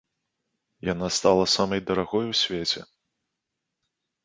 Яна стала самай дарагой у свеце.